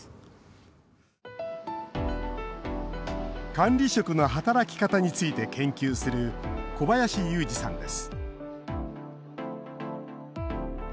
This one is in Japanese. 管理職の働き方について研究する小林祐児さんです